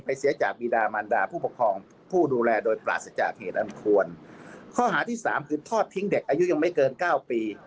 เสียจากบีดามันดาผู้ปกครองผู้ดูแลโดยปราศจากเหตุอันควรข้อหาที่สามคือทอดทิ้งเด็กอายุยังไม่เกินเก้าปี